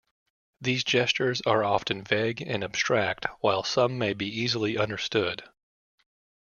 These gestures are often vague and abstract while some may be easily understood.